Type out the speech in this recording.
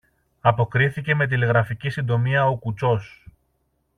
αποκρίθηκε με τηλεγραφική συντομία ο κουτσός.